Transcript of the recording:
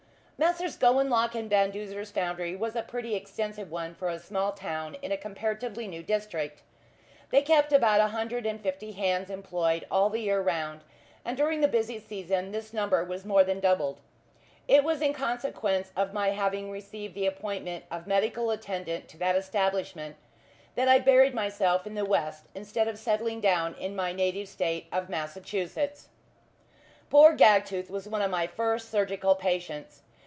Messrs. Gowanlock and Van Duzer's foundry was a pretty extensive one for a small town in a comparatively new district. They kept about a hundred and fifty hands employed all the year round, and during the busy season this number was more than doubled. It was in consequence of my having received the appointment of medical attendant to that establishment that I buried myself in the west, instead of settling down in my native State of Massachusetts. Poor Gagtooth was one of my first surgical patients.